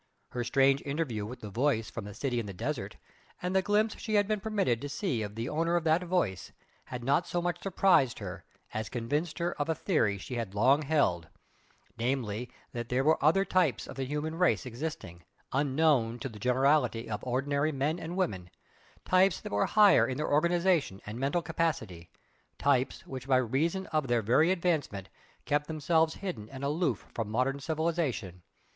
Her strange interview with the "Voice" from the City in the Desert, and the glimpse she had been permitted to see of the owner of that voice, had not so much surprised her as convinced her of a theory she had long held, namely that there were other types of the human race existing, unknown to the generality of ordinary men and women types that were higher in their organisation and mental capacity, types which by reason of their very advancement kept themselves hidden and aloof from modern civilisation.